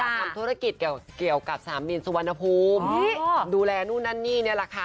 ทำธุรกิจเกี่ยวกับสนามบินสุวรรณภูมิดูแลนู่นนั่นนี่นี่แหละค่ะ